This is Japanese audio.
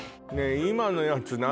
今のやつ何？